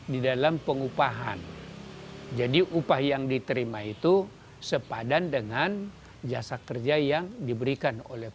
di dalam pengupahan jadi upah yang diterima itu sepadan dengan jasa kerja yang diberikan oleh